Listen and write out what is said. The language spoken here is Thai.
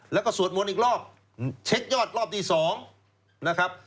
แล้วก็สวดมนต์อีกรอบเช็คยอดรอบที่๒นะครับ